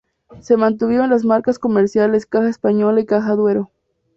Se mantuvieron las marcas comerciales Caja España y Caja Duero.